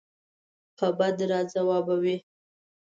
په بد راځوابوي.